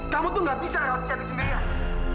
kamu tuh nggak bisa ngerawat si cantik sendirian